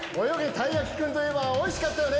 たいやきくん』といえばおいしかったよね！